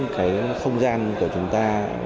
cái không gian của chúng ta